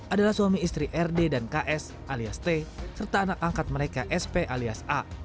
adalah suami istri rd dan ks alias t serta anak angkat mereka sp alias a